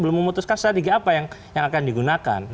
belum memutuskan strategi apa yang akan digunakan